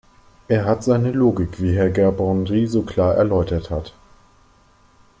Er hat seine Logik, wie Herr Gerbrandy so klar erläutert hat.